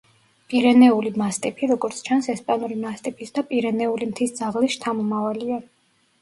პირენეული მასტიფი, როგორც ჩანს, ესპანური მასტიფის და პირენეული მთის ძაღლის შთამომავალია.